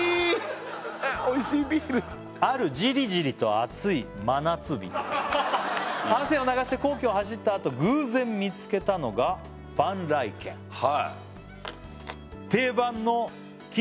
おいしいビール「あるじりじりと暑い真夏日」「汗を流して皇居を走ったあと」「偶然見つけたのが萬来軒」「定番の錦糸卵や」